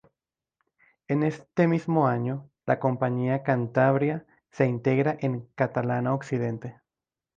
En este mismo año, la compañía "Cantabria" se integra en Catalana-Occidente.